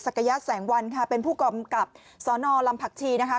ศักยัตริย์แสงวันค่ะเป็นผู้กรรมกับสนลำผักชีนะคะ